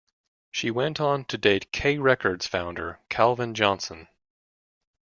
She went on to date K Records founder Calvin Johnson.